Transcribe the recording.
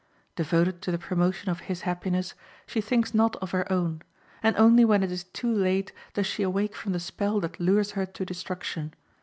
Devoted to the promotion of his happiness, she thinks not of her own; and only when it is too late does she awake from the spell that lures her to destruction.